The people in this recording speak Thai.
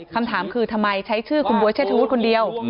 คำถามคือทำไมใช้ชื่อคุณบ๊วยเชษฐวุฒิคนเดียว